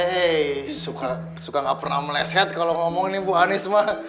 hei suka nggak pernah meleset kalau ngomong ini bu hanis mas